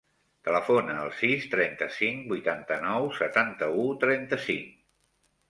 Telefona al sis, trenta-cinc, vuitanta-nou, setanta-u, trenta-cinc.